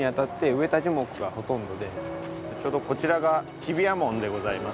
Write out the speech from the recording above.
ちょうどこちらが日比谷門でございます。